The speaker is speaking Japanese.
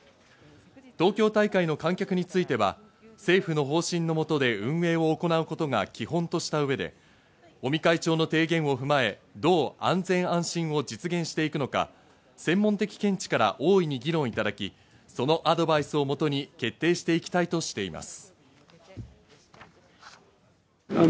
東京大会の観客については政府の方針の下で運営を行うことが基本とした上で、尾身会長の提言を踏まえ、どう安全安心を実現していくのか専門的見地から大いに議論いただき、そのアドバイスをもとに決定していきたいとしています。